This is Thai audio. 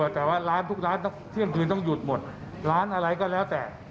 เที่ยงคืนต้องหยุดหมดร้านอะไรก็แล้วแต่